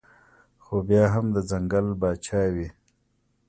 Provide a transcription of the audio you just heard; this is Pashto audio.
خو بيا هم د ځنګل باچا وي